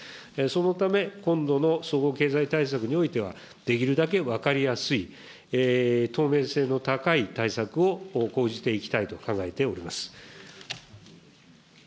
そのため、今度の総合経済対策においては、できるだけ分かりやすい、透明性の高い対策を講じていきたいと考えております。